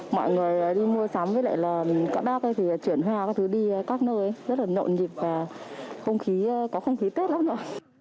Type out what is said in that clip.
mọi người đi mua sắm với lại là các bác thì chuyển hoa các thứ đi các nơi rất là nhộn nhịp và không khí có không khí tết lắm nữa